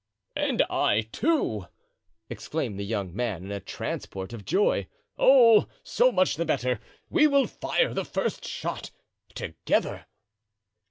"And I, too!" exclaimed the young man, in a transport of joy. "Oh, so much the better, we will fire the first shot together."